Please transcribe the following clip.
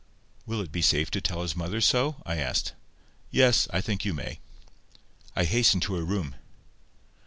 "Will it be safe to tell his mother so?" I asked. "Yes: I think you may." I hastened to her room.